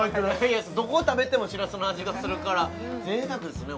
どこ食べてもしらすの味がするから贅沢ですね